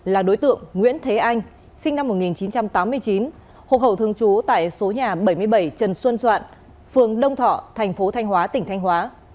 là đối tượng nguyễn thế anh sinh năm một nghìn chín trăm tám mươi chín hộ khẩu thường trú tại số nhà bảy mươi bảy trần xuân doạn phường đông thọ thành phố thanh hóa tỉnh thanh hóa